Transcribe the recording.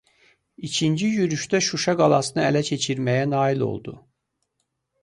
İkinci yürüşdə Şuşa qalasını ələ keçirməyə nail oldu.